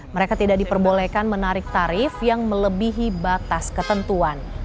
mereka tidak diperbolehkan menarik tarif yang melebihi batas ketentuan